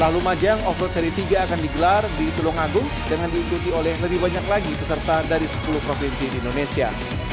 lumajang off road seri tiga akan digelar di tulung agung dengan diikuti oleh lebih banyak lagi peserta dari sepuluh provinsi di indonesia